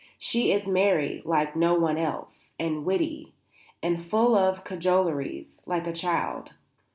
She is merry like no one else, and witty, and full of cajoleries, like a child.